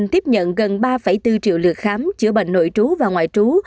tiếp nhận gần ba bốn triệu lượt khám chữa bệnh nội trú và ngoại trú